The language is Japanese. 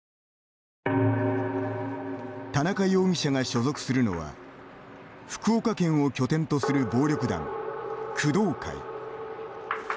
田中容疑者が所属するのは福岡県を拠点とする暴力団工藤会。